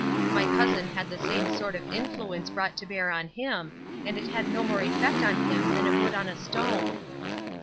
My cousin had the same sort of influence brought to bear on him, and it had no more effect on him than it would on a stone."